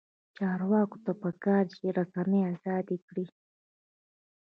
چارواکو ته پکار ده چې، رسنۍ ازادې کړي.